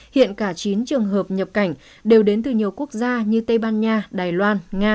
hiện cả chín trường hợp nhập cảnh đều đến từ nhiều quốc gia như tây ban nha đài loan nga